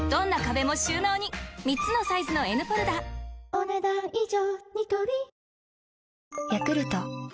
お、ねだん以上。